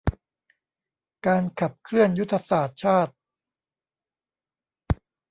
การขับเคลื่อนยุทธศาสตร์ชาติ